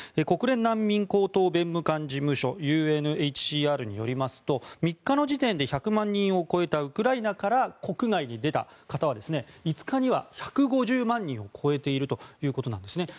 国連難民高等弁務官事務所・ＵＮＨＣＲによりますと３日の時点で１００万人を超えたウクライナから国外に出た方は５日には１５０万人を超えているということです。